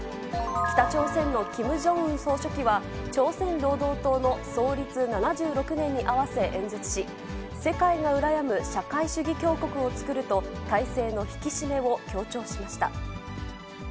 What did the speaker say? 北朝鮮のキム・ジョンウン総書記は、朝鮮労働党の創立７６年に合わせ、演説し、世界が羨む社会主義強国をつくると体制の引き締めを強調しました。